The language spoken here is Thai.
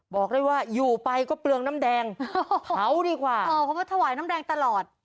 บอกได้ว่าอยู่ไปก็เปลืองน้ำแดงเผาดีกว่าเออเพราะว่าถวายน้ำแดงตลอด